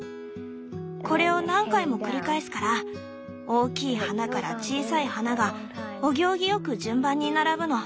これを何回も繰り返すから大きい花から小さい花がお行儀良く順番に並ぶの。